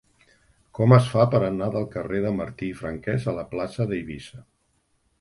Com es fa per anar del carrer de Martí i Franquès a la plaça d'Eivissa?